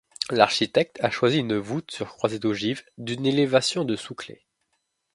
L'architecte a choisi une voûte sur croisée d'ogives d'une élévation de sous clef.